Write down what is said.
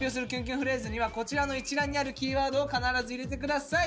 フレーズにはこちらの一覧にあるキーワードを必ず入れて下さい。